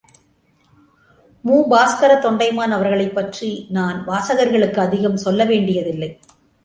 மு. பாஸ்கரத் தொண்டைமான் அவர்களைப் பற்றி, நான் வாசகர்களுக்கு அதிகம் சொல்ல வேண்டியதில்லை.